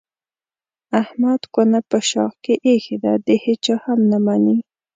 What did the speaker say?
احمد کونه په شاخ کې ایښې ده د هېچا هم نه مني.